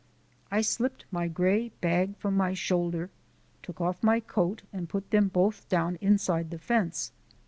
I slipped my gray bag from my shoulder, took off my coat, and put them both down inside the fence.